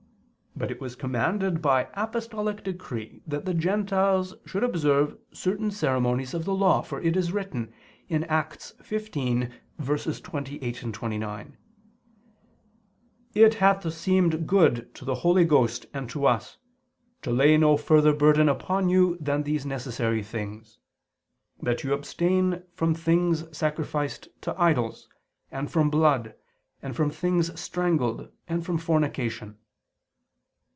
But it was commanded by apostolic decree that the Gentiles should observe certain ceremonies of the Law: for it is written (Acts 15:28, 29): "It hath seemed good to the Holy Ghost and to us, to lay no further burden upon you than these necessary things: that you abstain from things sacrificed to idols, and from blood, and from things strangled, and from fornication."